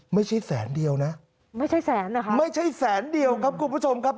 ไม่ใช่แสนเดียวนะไม่ใช่แสนเหรอครับไม่ใช่แสนเดียวครับคุณผู้ชมครับ